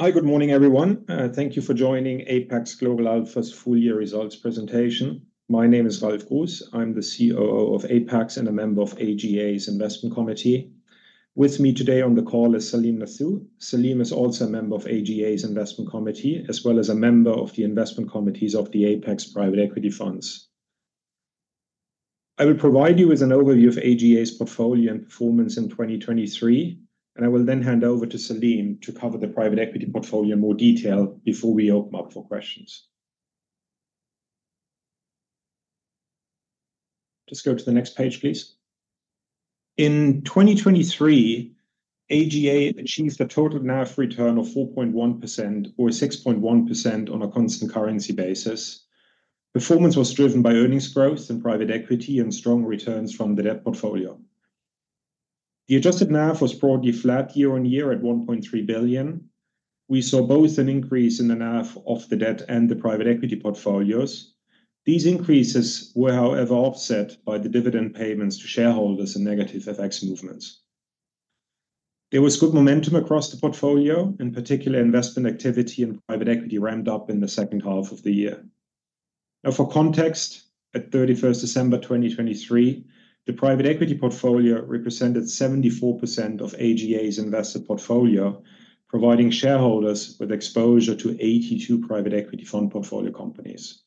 Hi, good morning everyone. Thank you for joining Apax Global Alpha's full-year results presentation. My name is Ralf Gruss. I'm the COO of Apax and a member of AGA's investment committee. With me today on the call is Salim Nathoo. Salim is also a member of AGA's investment committee, as well as a member of the investment committees of the Apax private equity funds. I will provide you with an overview of AGA's portfolio and performance in 2023, and I will then hand over to Salim to cover the private equity portfolio in more detail before we open up for questions. Just go to the next page, please. In 2023, AGA achieved a total NAV return of 4.1% or 6.1% on a constant currency basis. Performance was driven by earnings growth in private equity and strong returns from the debt portfolio. The adjusted NAV was broadly flat year-on-year at 1.3 billion. We saw both an increase in the NAV of the debt and the private equity portfolios. These increases were, however, offset by the dividend payments to shareholders and negative FX movements. There was good momentum across the portfolio, in particular investment activity and private equity ramped up in the second half of the year. Now, for context, at 31st December 2023, the private equity portfolio represented 74% of AGA's invested portfolio, providing shareholders with exposure to 82 private equity fund portfolio companies.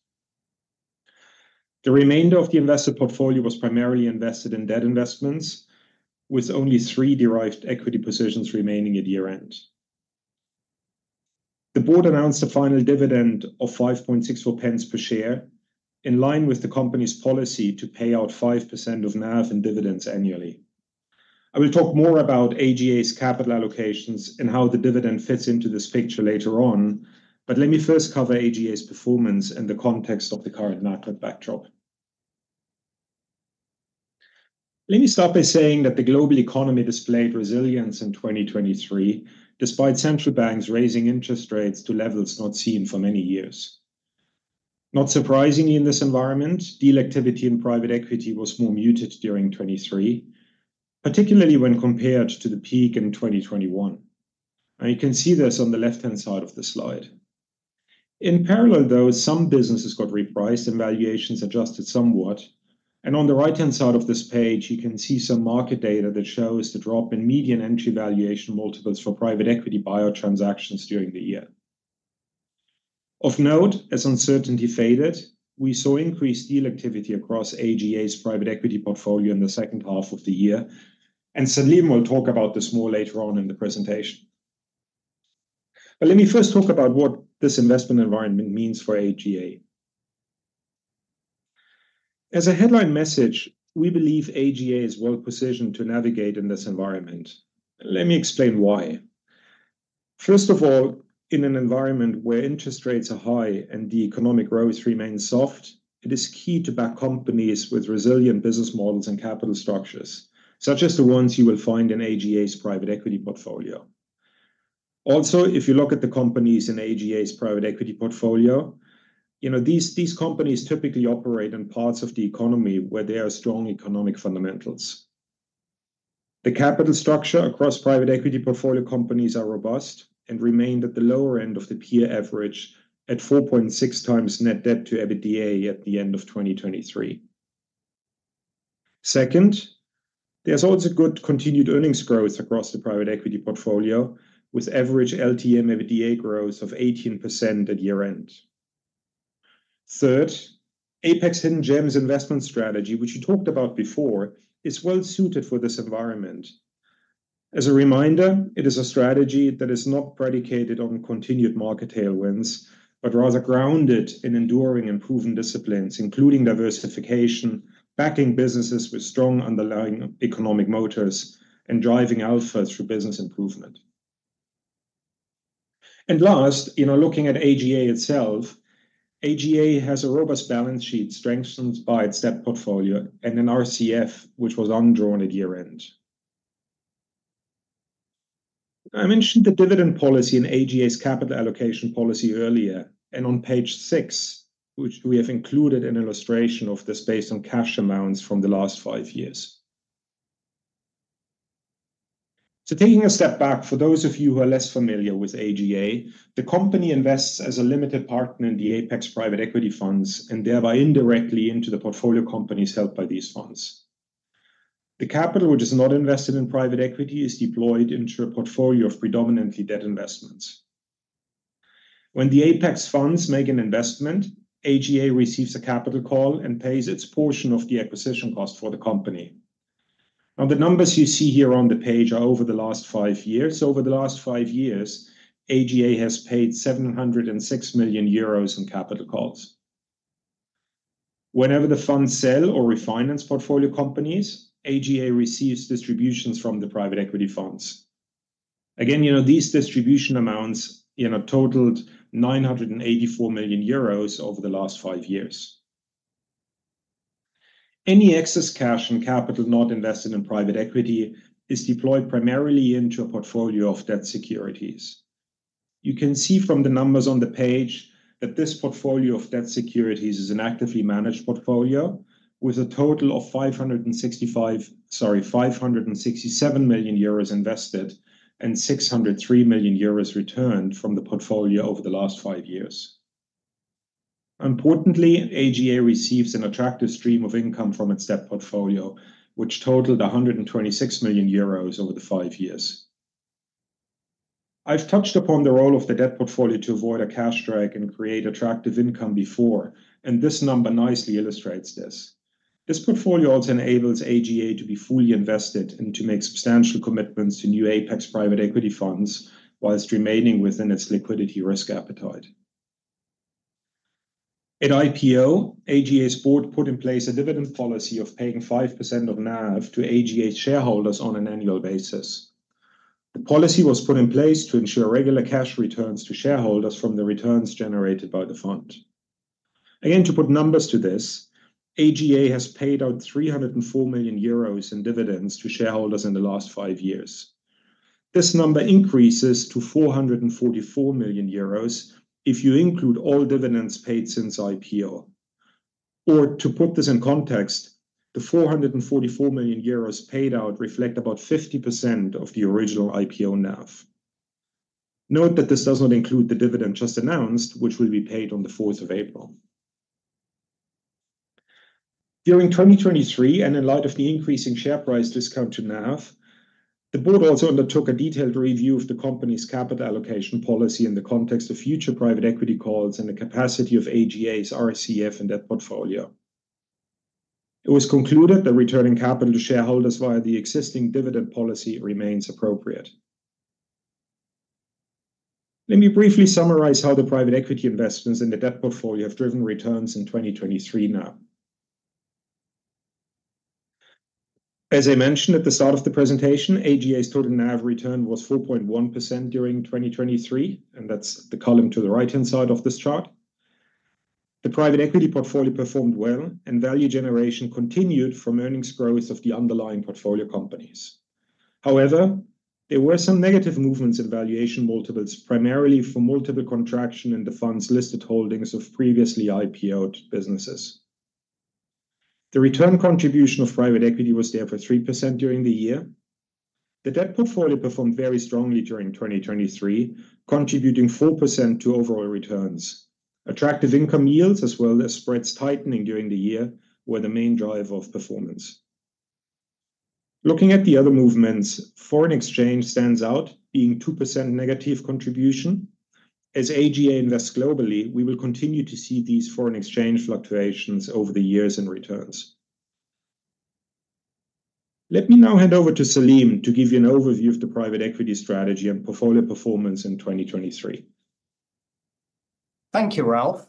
The remainder of the invested portfolio was primarily invested in debt investments, with only three derived equity positions remaining at year-end. The board announced a final dividend of 5.64 pence per share, in line with the company's policy to pay out 5% of NAV in dividends annually. I will talk more about AGA's capital allocations and how the dividend fits into this picture later on, but let me first cover AGA's performance in the context of the current market backdrop. Let me start by saying that the global economy displayed resilience in 2023, despite central banks raising interest rates to levels not seen for many years. Not surprisingly, in this environment, deal activity in private equity was more muted during 2023, particularly when compared to the peak in 2021. And you can see this on the left-hand side of the slide. In parallel, though, some businesses got repriced and valuations adjusted somewhat. And on the right-hand side of this page, you can see some market data that shows the drop in median entry valuation multiples for private equity buyout transactions during the year. Of note, as uncertainty faded, we saw increased deal activity across AGA's private equity portfolio in the second half of the year. Salim will talk about this more later on in the presentation. Let me first talk about what this investment environment means for AGA. As a headline message, we believe AGA is well positioned to navigate in this environment. Let me explain why. First of all, in an environment where interest rates are high and the economic growth remains soft, it is key to back companies with resilient business models and capital structures, such as the ones you will find in AGA's private equity portfolio. Also, if you look at the companies in AGA's private equity portfolio, you know, these companies typically operate in parts of the economy where there are strong economic fundamentals. The capital structure across private equity portfolio companies is robust and remained at the lower end of the peer average at 4.6x net debt to EBITDA at the end of 2023. Second, there's also good continued earnings growth across the private equity portfolio, with average LTM EBITDA growth of 18% at year-end. Third, Apax hidden gems investment strategy, which you talked about before, is well suited for this environment. As a reminder, it is a strategy that is not predicated on continued market tailwinds, but rather grounded in enduring and proven disciplines, including diversification, backing businesses with strong underlying economic motors, and driving alpha through business improvement. And last, you know, looking at AGA itself, AGA has a robust balance sheet strengthened by its debt portfolio and an RCF, which was undrawn at year-end. I mentioned the dividend policy in AGA's capital allocation policy earlier, and on page six, we have included an illustration of this based on cash amounts from the last five years. So taking a step back, for those of you who are less familiar with AGA, the company invests as a limited partner in the Apax's private equity funds and thereby indirectly into the portfolio companies held by these funds. The capital, which is not invested in private equity, is deployed into a portfolio of predominantly debt investments. When the Apax's funds make an investment, AGA receives a capital call and pays its portion of the acquisition cost for the company. Now, the numbers you see here on the page are over the last five years. Over the last five years, AGA has paid 706 million euros in capital calls. Whenever the funds sell or refinance portfolio companies, AGA receives distributions from the private equity funds. Again, you know, these distribution amounts, you know, totaled 984 million euros over the last five years. Any excess cash and capital not invested in private equity is deployed primarily into a portfolio of debt securities. You can see from the numbers on the page that this portfolio of debt securities is an actively managed portfolio with a total of 565, sorry, 567 million euros invested and 603 million euros returned from the portfolio over the last five years. Importantly, AGA receives an attractive stream of income from its debt portfolio, which totaled 126 million euros over the five years. I've touched upon the role of the debt portfolio to avoid a cash drag and create attractive income before, and this number nicely illustrates this. This portfolio also enables AGA to be fully invested and to make substantial commitments to new Apax's private equity funds while remaining within its liquidity risk appetite. At IPO, AGA's board put in place a dividend policy of paying 5% of NAV to AGA's shareholders on an annual basis. The policy was put in place to ensure regular cash returns to shareholders from the returns generated by the fund. Again, to put numbers to this, AGA has paid out 304 million euros in dividends to shareholders in the last five years. This number increases to 444 million euros if you include all dividends paid since IPO. Or to put this in context, the 444 million euros paid out reflect about 50% of the original IPO NAV. Note that this does not include the dividend just announced, which will be paid on the 4th of April. During 2023, and in light of the increasing share price discount to NAV, the board also undertook a detailed review of the company's capital allocation policy in the context of future private equity calls and the capacity of AGA's RCF and debt portfolio. It was concluded that returning capital to shareholders via the existing dividend policy remains appropriate. Let me briefly summarize how the private equity investments in the debt portfolio have driven returns in 2023 now. As I mentioned at the start of the presentation, AGA's total NAV return was 4.1% during 2023, and that's the column to the right-hand side of this chart. The private equity portfolio performed well, and value generation continued from earnings growth of the underlying portfolio companies. However, there were some negative movements in valuation multiples, primarily for multiple contraction in the fund's listed holdings of previously IPOed businesses. The return contribution of private equity was therefore 3% during the year. The debt portfolio performed very strongly during 2023, contributing 4% to overall returns. Attractive income yields, as well as spreads tightening during the year, were the main drive of performance. Looking at the other movements, foreign exchange stands out being -2% contribution. As AGA invests globally, we will continue to see these foreign exchange fluctuations over the years in returns. Let me now hand over to Salim to give you an overview of the private equity strategy and portfolio performance in 2023. Thank you, Ralf.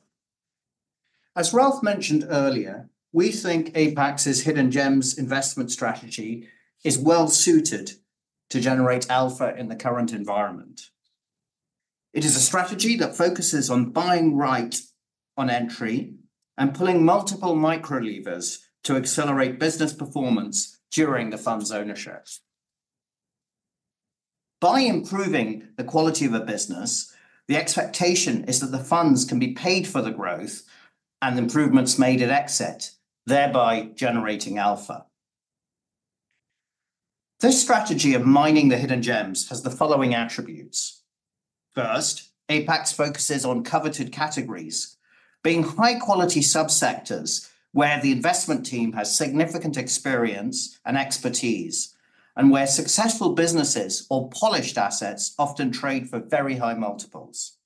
As Ralf mentioned earlier, we think Apax's hidden gems investment strategy is well suited to generate alpha in the current environment. It is a strategy that focuses on buying right on entry and pulling multiple microlevers to accelerate business performance during the fund's ownership. By improving the quality of a business, the expectation is that the funds can be paid for the growth and improvements made at exit, thereby generating alpha. This strategy of mining the hidden gems has the following attributes. First, Apax focuses on coveted categories, being high-quality subsectors where the investment team has significant experience and expertise, and where successful businesses or polished assets often trade for very high multiples.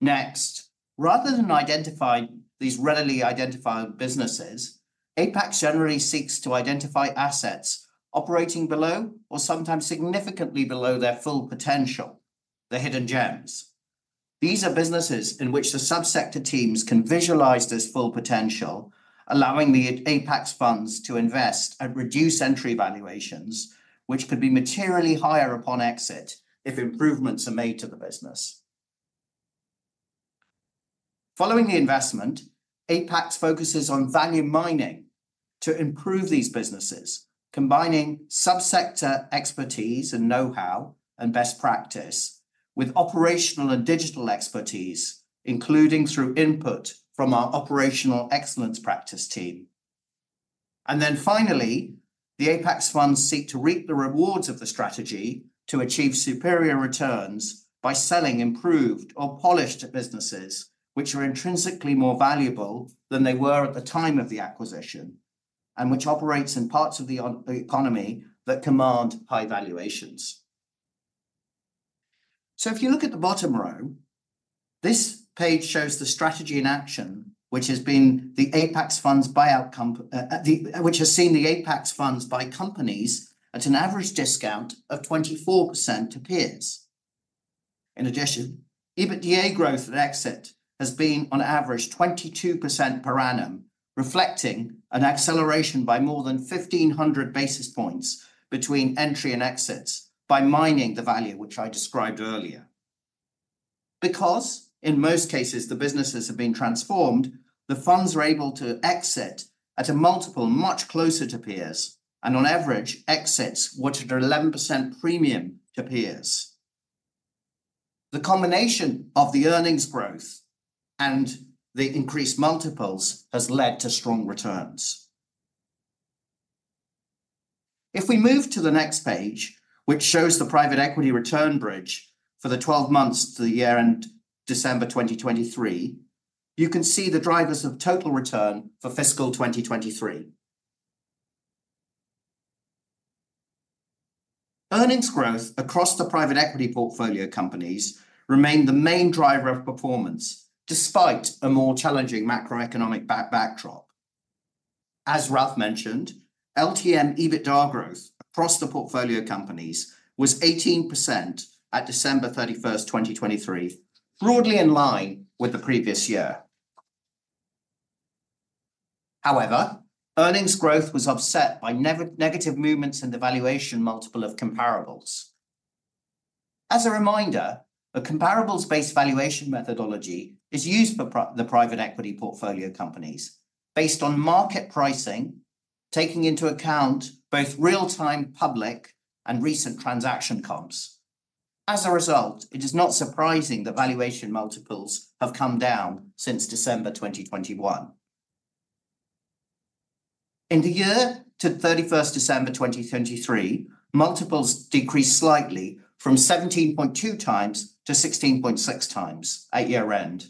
Next, rather than identify these readily identified businesses, Apax generally seeks to identify assets operating below or sometimes significantly below their full potential, the hidden gems. These are businesses in which the subsector teams can visualize this full potential, allowing the Apax's funds to invest at reduced entry valuations, which could be materially higher upon exit if improvements are made to the business. Following the investment, Apax's focuses on value mining to improve these businesses, combining subsector expertise and know-how and best practice with operational and digital expertise, including through input from our Operational Excellence Practice team. And then finally, the Apax's funds seek to reap the rewards of the strategy to achieve superior returns by selling improved or polished businesses, which are intrinsically more valuable than they were at the time of the acquisition, and which operates in parts of the economy that command high valuations. If you look at the bottom row, this page shows the strategy in action, which has been the Apax's funds' buyout, which has seen the Apax's funds' buyout companies at an average discount of 24% to peers. In addition, EBITDA growth at exit has been on average 22% per annum, reflecting an acceleration by more than 1,500 basis points between entry and exits by mining the value which I described earlier. Because in most cases the businesses have been transformed, the funds are able to exit at a multiple much closer to peers and on average exits at 11% premium to peers. The combination of the earnings growth and the increased multiples has led to strong returns. If we move to the next page, which shows the private equity return bridge for the 12 months to the year-end December 2023, you can see the drivers of total return for fiscal 2023. Earnings growth across the private equity portfolio companies remained the main driver of performance despite a more challenging macroeconomic backdrop. As Ralf mentioned, LTM EBITDA growth across the portfolio companies was 18% at December 31st, 2023, broadly in line with the previous year. However, earnings growth was upset by negative movements in the valuation multiple of comparables. As a reminder, a comparables-based valuation methodology is used for the private equity portfolio companies based on market pricing, taking into account both real-time public and recent transaction comps. As a result, it is not surprising that valuation multiples have come down since December 2021. In the year to 31st December 2023, multiples decreased slightly from 17.2x to 16.6x at year-end,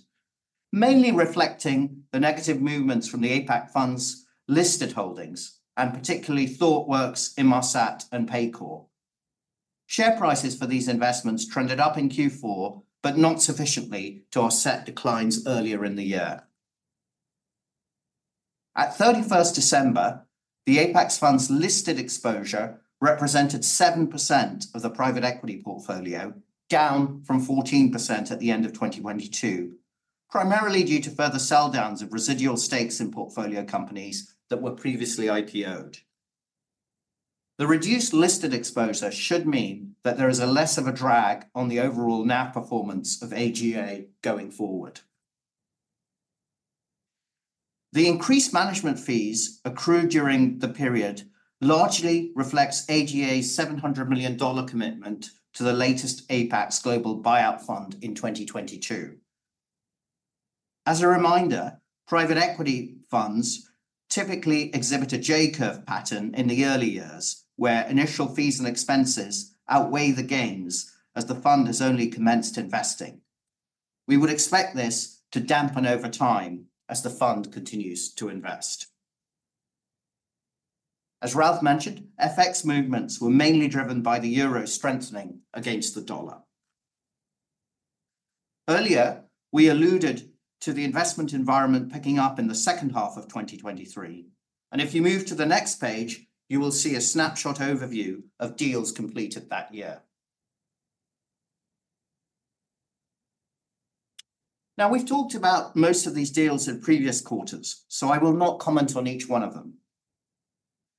mainly reflecting the negative movements from the Apax fund's listed holdings and particularly ThoughtWorks, Inmarsat, and Paycor. Share prices for these investments trended up in Q4, but not sufficiently to offset declines earlier in the year. At 31st December, the Apax fund's listed exposure represented 7% of the private equity portfolio, down from 14% at the end of 2022, primarily due to further selldowns of residual stakes in portfolio companies that were previously IPOed. The reduced listed exposure should mean that there is less of a drag on the overall NAV performance of AGA going forward. The increased management fees accrued during the period largely reflects AGA's $700 million commitment to the latest Apax global buyout fund in 2022. As a reminder, private equity funds typically exhibit a J curve pattern in the early years where initial fees and expenses outweigh the gains as the fund has only commenced investing. We would expect this to dampen over time as the fund continues to invest. As Ralf mentioned, FX movements were mainly driven by the euro strengthening against the dollar. Earlier, we alluded to the investment environment picking up in the second half of 2023. If you move to the next page, you will see a snapshot overview of deals completed that year. Now we've talked about most of these deals in previous quarters, so I will not comment on each one of them.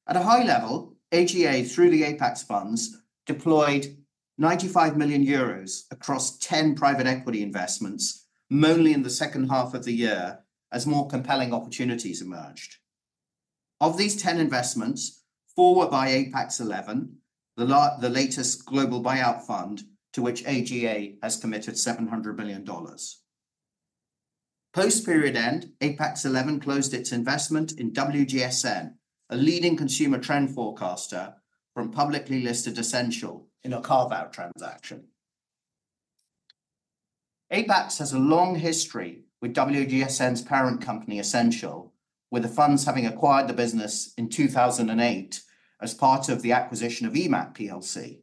At a high level, AGA through the Apax's funds deployed 95 million euros across 10 private equity investments mainly in the second half of the year as more compelling opportunities emerged. Of these 10 investments, four were by Apax XI, the latest global buyout fund to which AGA has committed $700 million. Post period end, Apax XI closed its investment in WGSN, a leading consumer trend forecaster from publicly listed Ascential in a carve-out transaction. Apax has a long history with WGSN's parent company Ascential, with the funds having acquired the business in 2008 as part of the acquisition of Emap PLC.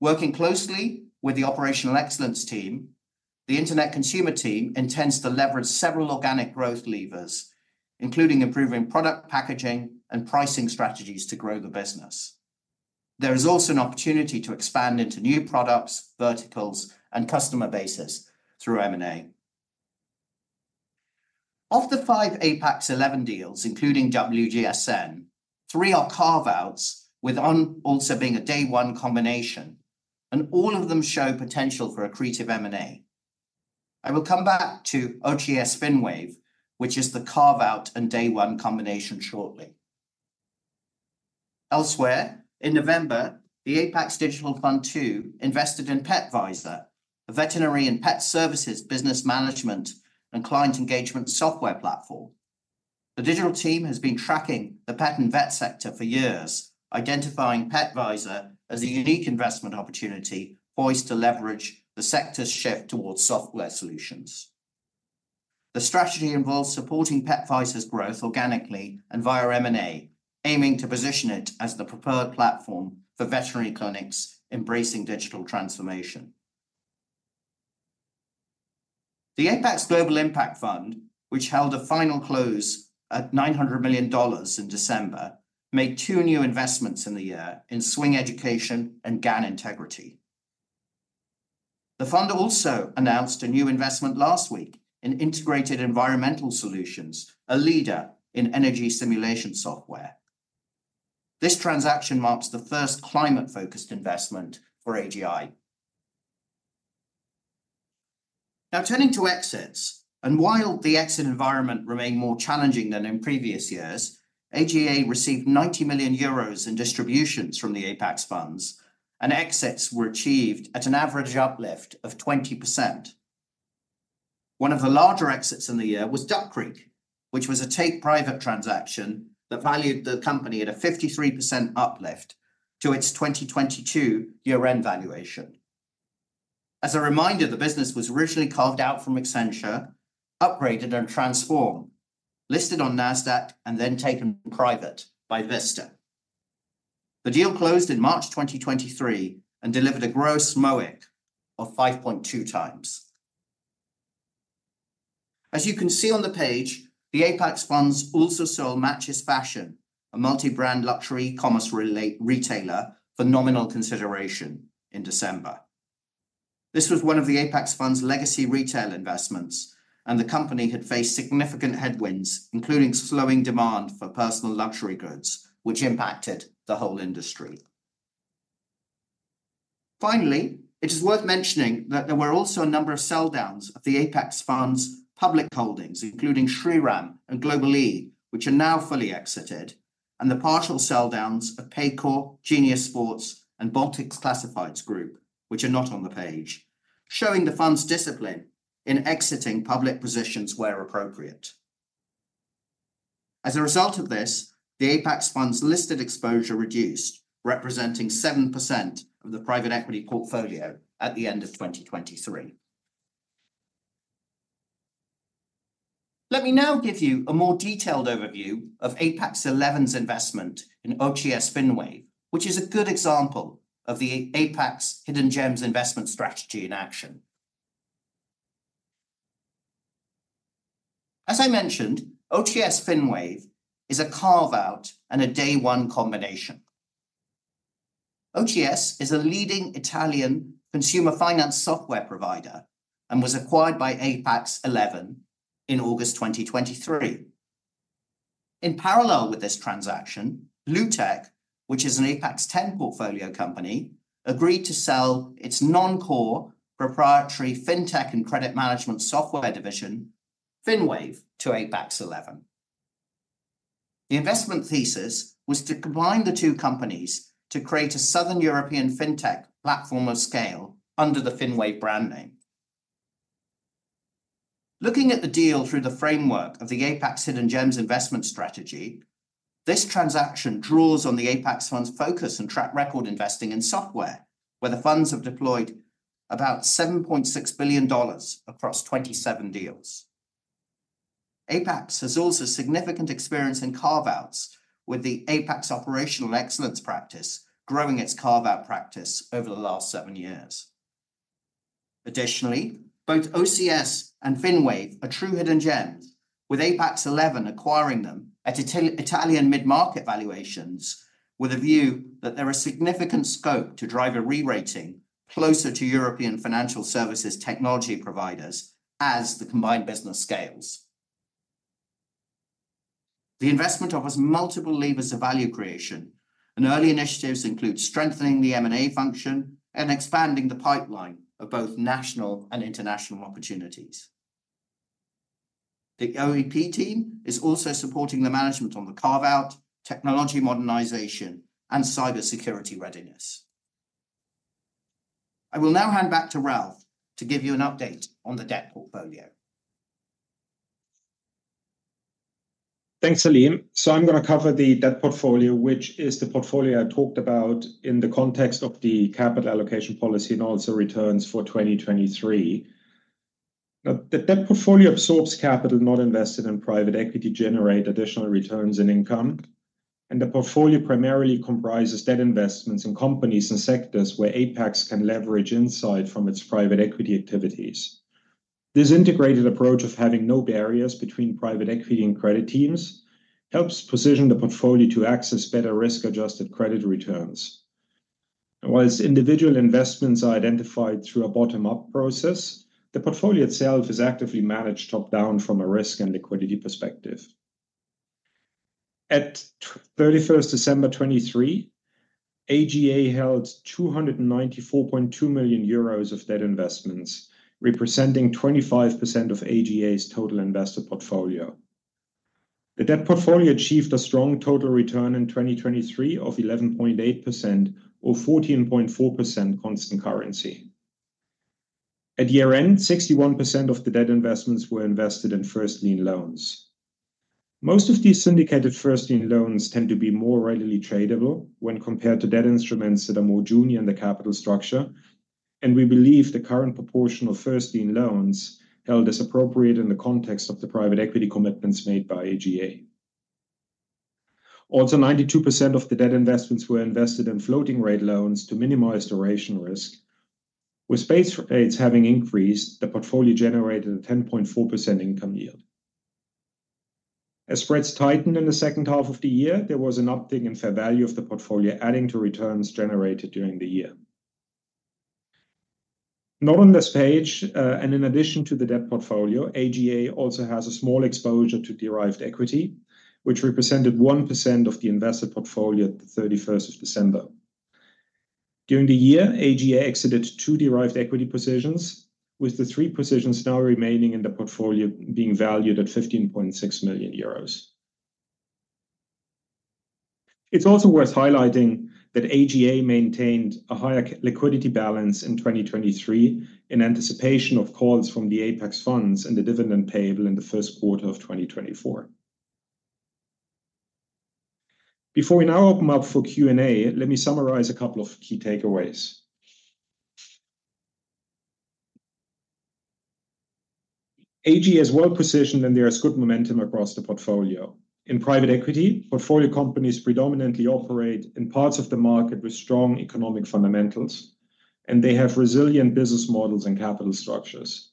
Working closely with the operational excellence team, the Internet consumer team intends to leverage several organic growth levers, including improving product packaging and pricing strategies to grow the business. There is also an opportunity to expand into new products, verticals, and customer bases through M&A. Of the five Apax XI deals, including WGSN, three are carve-outs with also being a day one combination. All of them show potential for a creative M&A. I will come back to OCS Finwave, which is the carve-out and day one combination shortly. Elsewhere, in November, the Apax Digital Fund II invested in Petvisor, a veterinary and pet services business management and client engagement software platform. The digital team has been tracking the pet and vet sector for years, identifying Petvisor as a unique investment opportunity poised to leverage the sector's shift towards software solutions. The strategy involves supporting Petvisor's growth organically and via M&A, aiming to position it as the preferred platform for veterinary clinics embracing digital transformation. The Apax Global Impact Fund, which held a final close at $900 million in December, made 2 new investments in the year in Swing Education and GAN Integrity. The fund also announced a new investment last week in Integrated Environmental Solutions, a leader in energy simulation software. This transaction marks the first climate-focused investment for AGI. Now turning to exits, while the exit environment remained more challenging than in previous years, AGA received 90 million euros in distributions from the Apax's funds. Exits were achieved at an average uplift of 20%. One of the larger exits in the year was Duck Creek, which was a take-private transaction that valued the company at a 53% uplift to its 2022 year-end valuation. As a reminder, the business was originally carved out from Accenture, upgraded and transformed, listed on NASDAQ, and then taken private by Vista. The deal closed in March 2023 and delivered a gross MOIC of 5.2x. As you can see on the page, the Apax's funds also sold MatchesFashion, a multi-brand luxury e-commerce retailer for nominal consideration in December. This was one of the Apax's fund's legacy retail investments, and the company had faced significant headwinds, including slowing demand for personal luxury goods, which impacted the whole industry. Finally, it is worth mentioning that there were also a number of selldowns of the Apax's fund's public holdings, including Shriram and Global-e, which are now fully exited, and the partial selldowns of Paycor, Genius Sports, and Baltic Classifieds Group, which are not on the page, showing the fund's discipline in exiting public positions where appropriate. As a result of this, the Apax's fund's listed exposure reduced, representing 7% of the private equity portfolio at the end of 2023. Let me now give you a more detailed overview of Apax XI's investment in OCS Finwave, which is a good example of the Apax's hidden gems investment strategy in action. As I mentioned, OCS Finwave is a carve-out and a day one combination. OCS is a leading Italian consumer finance software provider and was acquired by Apax XI in August 2023. In parallel with this transaction, Lutech, which is an Apax X portfolio company, agreed to sell its non-core proprietary fintech and credit management software division, Finwave, to Apax XI. The investment thesis was to combine the two companies to create a Southern European fintech platform of scale under the Finwave brand name. Looking at the deal through the framework of the Apax's hidden gems investment strategy, this transaction draws on the Apax's fund's focus and track record investing in software, where the funds have deployed about $7.6 billion across 27 deals. Apax's has also significant experience in carve-outs, with the Apax's operational excellence practice growing its carve-out practice over the last seven years. Additionally, both OCS and Finwave are true hidden gems, with Apax XI acquiring them at Italian mid-market valuations with a view that there is significant scope to drive a rerating closer to European financial services technology providers as the combined business scales. The investment offers multiple levers of value creation, and early initiatives include strengthening the M&A function and expanding the pipeline of both national and international opportunities. The OEP team is also supporting the management on the carve-out, technology modernization, and cybersecurity readiness. I will now hand back to Ralf to give you an update on the debt portfolio. Thanks, Salim. So I'm going to cover the debt portfolio, which is the portfolio I talked about in the context of the capital allocation policy and also returns for 2023. Now the debt portfolio absorbs capital not invested in private equity to generate additional returns and income. The portfolio primarily comprises debt investments in companies and sectors where Apax's can leverage insight from its private equity activities. This integrated approach of having no barriers between private equity and credit teams helps position the portfolio to access better risk-adjusted credit returns. While individual investments are identified through a bottom-up process, the portfolio itself is actively managed top-down from a risk and liquidity perspective. At 31st December 2023, AGA held 294.2 million euros of debt investments, representing 25% of AGA's total investor portfolio. The debt portfolio achieved a strong total return in 2023 of 11.8% or 14.4% constant currency. At year-end, 61% of the debt investments were invested in first lien loans. Most of these syndicated first lien loans tend to be more readily tradable when compared to debt instruments that are more junior in the capital structure. We believe the current proportion of first lien loans held is appropriate in the context of the private equity commitments made by AGA. Also, 92% of the debt investments were invested in floating rate loans to minimize duration risk. With base rates having increased, the portfolio generated a 10.4% income yield. As spreads tightened in the second half of the year, there was an uptick in fair value of the portfolio, adding to returns generated during the year. Not on this page, and in addition to the debt portfolio, AGA also has a small exposure to derived equity, which represented 1% of the invested portfolio at the 31st of December. During the year, AGA exited two derived equity positions, with the three positions now remaining in the portfolio being valued at 15.6 million euros. It's also worth highlighting that AGA maintained a higher liquidity balance in 2023 in anticipation of calls from the Apax's funds and the dividend payable in the first quarter of 2024. Before we now open up for Q&A, let me summarize a couple of key takeaways. AGA is well positioned, and there is good momentum across the portfolio. In private equity, portfolio companies predominantly operate in parts of the market with strong economic fundamentals. They have resilient business models and capital structures.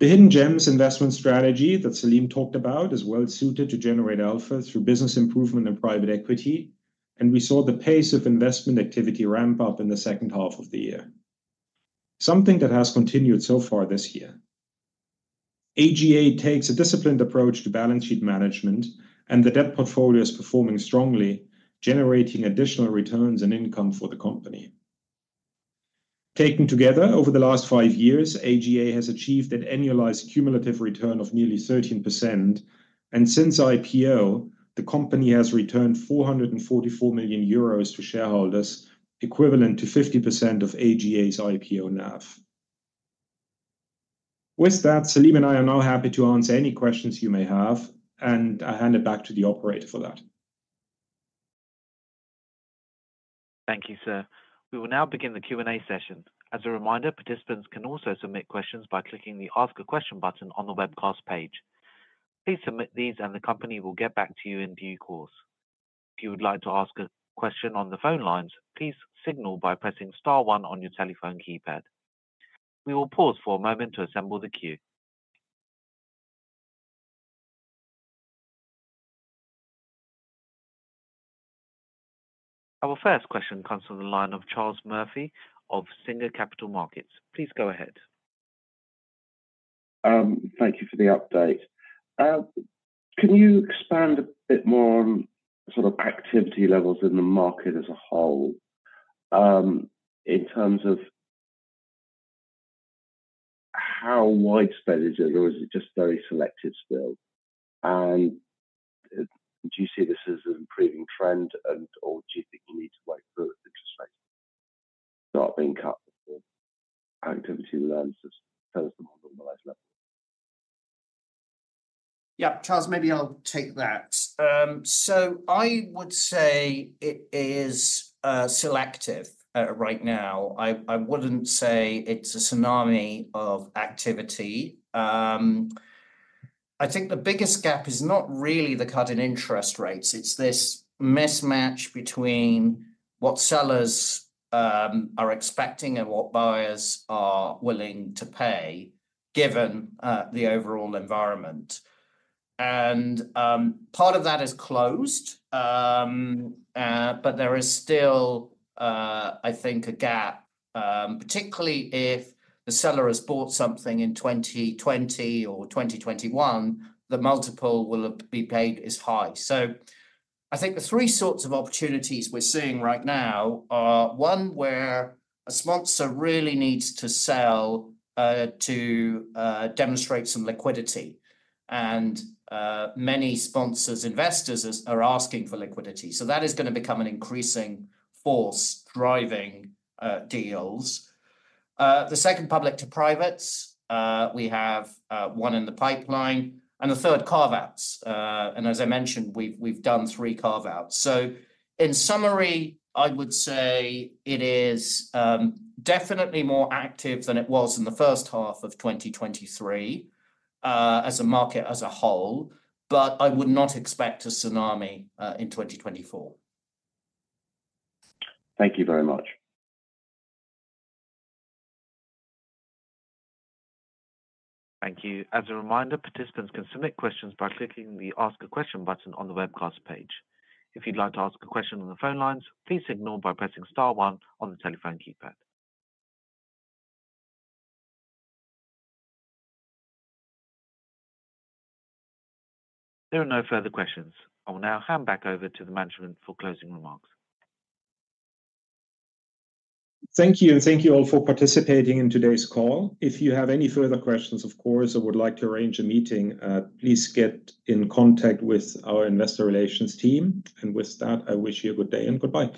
The hidden gems investment strategy that Salim talked about is well suited to generate alpha through business improvement and private equity. We saw the pace of investment activity ramp up in the second half of the year. Something that has continued so far this year. AGA takes a disciplined approach to balance sheet management, and the debt portfolio is performing strongly, generating additional returns and income for the company. Taken together over the last five years, AGA has achieved an annualized cumulative return of nearly 13%. Since IPO, the company has returned 444 million euros to shareholders, equivalent to 50% of AGA's IPO NAV. With that, Salim and I are now happy to answer any questions you may have, and I hand it back to the operator for that. Thank you, sir. We will now begin the Q&A session. As a reminder, participants can also submit questions by clicking the Ask a Question button on the webcast page. Please submit these, and the company will get back to you in due course. If you would like to ask a question on the phone lines, please signal by pressing star one on your telephone keypad. We will pause for a moment to assemble the queue. Our first question comes from the line of Charles Murphy of Singer Capital Markets. Please go ahead. Thank you for the update. Can you expand a bit more on sort of activity levels in the market as a whole? In terms of how widespread is it, or is it just very selective still? Do you see this as an improving trend, or do you think you need to wait for interest rates to start being cut before activity returns to more normalized levels? Yeah, Charles, maybe I'll take that. So I would say it is selective right now. I wouldn't say it's a tsunami of activity. I think the biggest gap is not really the cut in interest rates. It's this mismatch between what sellers are expecting and what buyers are willing to pay, given the overall environment. And part of that is closed. But there is still, I think, a gap, particularly if the seller has bought something in 2020 or 2021, the multiple will be paid is high. So I think the 3 sorts of opportunities we're seeing right now are one where a sponsor really needs to sell to demonstrate some liquidity. And many sponsors, investors are asking for liquidity. So that is going to become an increasing force driving deals. The second public to privates, we have one in the pipeline, and the third carve-outs. As I mentioned, we've done 3 carve-outs. In summary, I would say it is definitely more active than it was in the first half of 2023 as a market as a whole, but I would not expect a tsunami in 2024. Thank you very much. Thank you. As a reminder, participants can submit questions by clicking the Ask a Question button on the webcast page. If you'd like to ask a question on the phone lines, please signal by pressing star one on the telephone keypad. There are no further questions. I will now hand back over to the management for closing remarks. Thank you, and thank you all for participating in today's call. If you have any further questions, of course, or would like to arrange a meeting, please get in contact with our investor relations team. With that, I wish you a good day and goodbye.